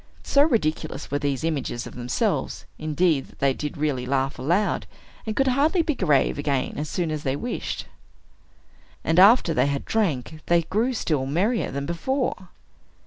So ridiculous were these images of themselves, indeed, that they did really laugh aloud, and could hardly be grave again as soon as they wished. And after they had drank, they grew still merrier than before.